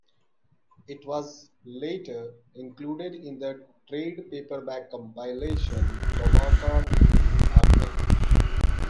It was later included in the trade paperback compilation "The Warcraft Archive".